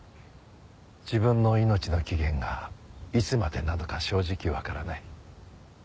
自分の命の期限がいつまでなのか正直わからない。